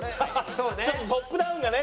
ちょっとトップダウンがね